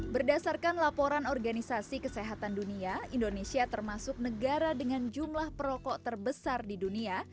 berdasarkan laporan organisasi kesehatan dunia indonesia termasuk negara dengan jumlah perokok terbesar di dunia